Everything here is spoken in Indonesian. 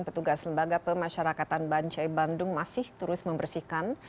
petugas lembaga pemasyarakatan bancai bandung masih terus membersihkan